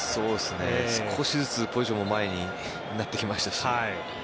少しずつポジションも前になってきましたし。